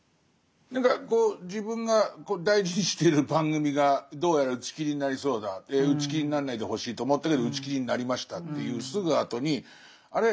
何かこう自分が大事にしてる番組がどうやら打ち切りになりそうだ打ち切りになんないでほしいと思ったけど打ち切りになりましたっていうすぐあとにあれ？